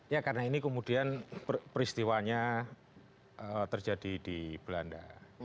ya karena ini kemudian peristiwanya terjadi di belanda